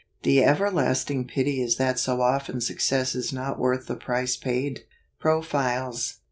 The everlasting pity is that so often success is not worth the price paid. Profiles.